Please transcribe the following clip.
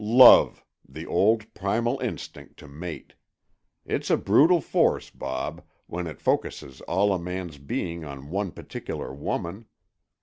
Love—the old, primal instinct to mate! It's a brutal force, Bob, when it focuses all a man's being on one particular woman.